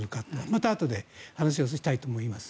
またあとで話をしたいと思います。